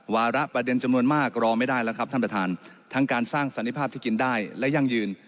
วาระประเด็นจำนวนมากรอไม่ได้แล้วครับท่านประธานทั้งการสร้างสันนิภาพที่กินได้และยั่งยืน